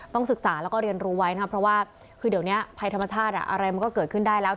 ศึกษาแล้วก็เรียนรู้ไว้นะครับเพราะว่าคือเดี๋ยวนี้ภัยธรรมชาติอะไรมันก็เกิดขึ้นได้แล้ว